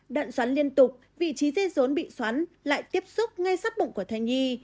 đặn xoắn liên tục vị trí dây rốn bị xoắn lại tiếp xúc ngay sắt bụng của thai nhi